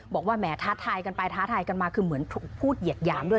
แหมท้าทายกันไปท้าทายกันมาคือเหมือนถูกพูดเหยียดหยามด้วย